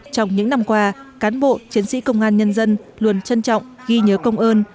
trong những năm qua cán bộ chiến sĩ công an nhân dân luôn trân trọng ghi nhớ công ơn